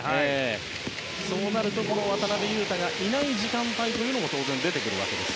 そうなると渡邊雄太がいない時間帯も当然、出てくるわけです。